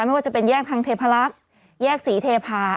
ไม่ว่าจะเป็นแยกทางเทพลักษณ์แยกศรีเทพาะ